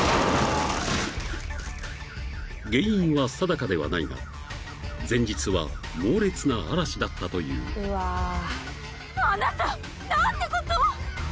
［原因は定かではないが前日は猛烈な嵐だったという］・Ｏｈｍｙｇｏｄ！